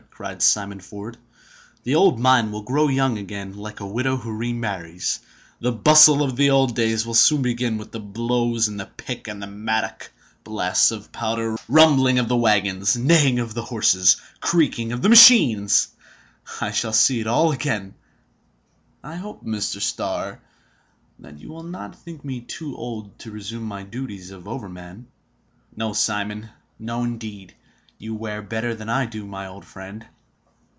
cried Simon Ford. "The old mine will grow young again, like a widow who remarries! The bustle of the old days will soon begin with the blows of the pick, and mattock, blasts of powder, rumbling of wagons, neighing of horses, creaking of machines! I shall see it all again! I hope, Mr. Starr, that you will not think me too old to resume my duties of overman?" "No, Simon, no indeed! You wear better than I do, my old friend!"